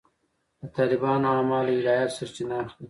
د طالبانو اعمال له الهیاتو سرچینه اخلي.